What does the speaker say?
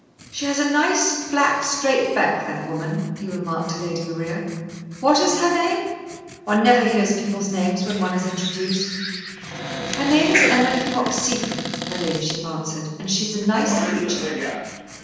"She has a nice, flat, straight back, that woman," he remarked to Lady Maria. "What is her name? One never hears people's names when one is introduced." "Her name is Emily Fox Seton," her ladyship answered, "and she's a nice creature."